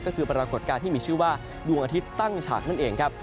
ก็คือปรากฏการณ์ที่มีชื่อว่าดวงอาทิตย์ตั้งฉากนั่นเองครับ